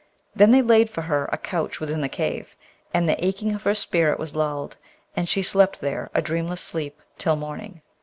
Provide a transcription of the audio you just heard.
Then they laid for her a couch within the cave, and the aching of her spirit was lulled, and she slept there a dreamless sleep till morning.